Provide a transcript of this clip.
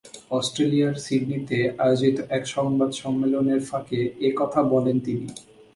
অস্ট্রেলিয়ার সিডনিতে আয়োজিত এক সংবাদ সম্মেলনের ফাঁকে এ কথা বলেন তিনি।